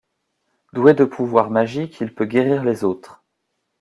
Doué de pouvoirs magiques, il peut guérir les autres.